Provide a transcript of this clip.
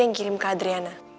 yang kirim ke adriana